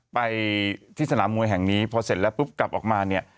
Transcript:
ไปที่สนามมวยแห่งนี้พอเสร็จแล้วปุ๊บกลับออกมาเนี่ย